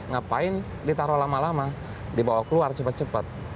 ngapain ditaruh lama lama dibawa keluar cepat cepat